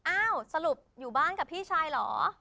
อ้าวสรุปอยู่บ้านกับพี่ชายเหรอ